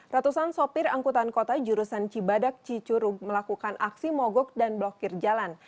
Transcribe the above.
ratusan sopir angkutan kota jurusan cibadak cicurug melakukan aksi mogok dan blokir jalan